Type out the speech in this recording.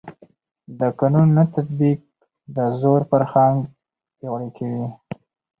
د قانون نه تطبیق د زور فرهنګ پیاوړی کوي